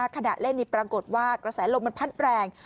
ขณะเล่นนี้ปรากฏว่ากระแสลมมันพัดแรง